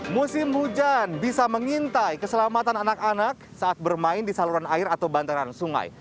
musim hujan bisa mengintai keselamatan anak anak saat bermain di saluran air atau bantaran sungai